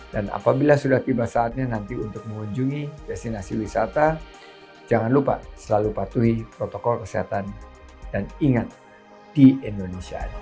dan apabila sudah tiba saatnya nanti untuk mengunjungi destinasi wisata jangan lupa selalu patuhi protokol kesehatan dan ingat di indonesia ada